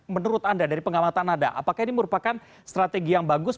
menurut anda dari pengamatan anda apakah ini merupakan strategi yang bagus